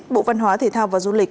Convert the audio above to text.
bộ văn hóa thể thao và du lịch